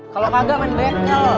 kalau kagak main bengkel